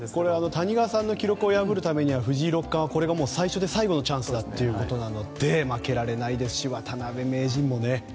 谷川さんの記録を破るためには、藤井さんはこれが最初で最後のチャンスということなので負けられないですし渡辺名人もね。